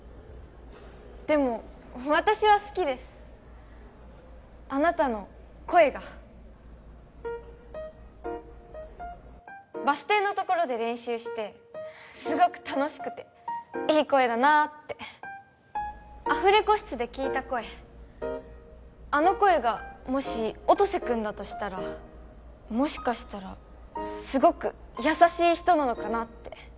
でも私は好きですあなたの声がバス停のところで練習してすごく楽しくていい声だなってアフレコ室で聞いた声あの声がもし音瀬君だとしたらもしかしたらすごく優しい人なのかなって